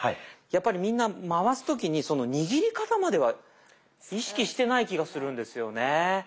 やっぱりみんな回す時に握り方までは意識してない気がするんですよね。